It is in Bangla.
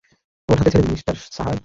ওর হাত ছেড়ে দিন, মিস্টার সাহায়!